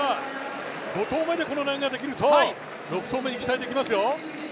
５投目でこの投げができると６投目に期待できますよ。